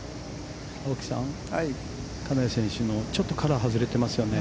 青木さん、金谷選手のちょっとカラー外れてますよね。